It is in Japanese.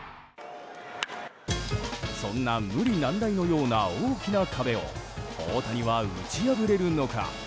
そんな無理難題のような大きな壁を大谷は打ち破れるのか。